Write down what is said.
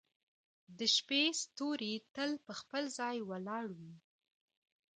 • د شپې ستوري تل په خپل ځای ولاړ وي.